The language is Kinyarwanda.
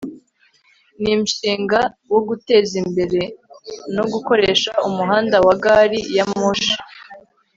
ni mshinga wo guteza imbere no gukoresha umuhanda wa gari ya moshi